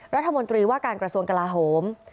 รัฐมนตรีว่าการกระทรวงกลาโหม